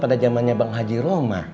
pada zamannya bang haji roma